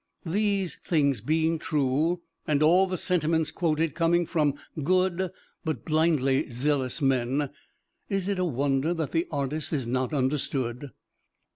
These things being true, and all the sentiments quoted coming from "good" but blindly zealous men, is it a wonder that the Artist is not understood?